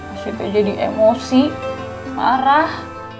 esi tuh jadi emosi marah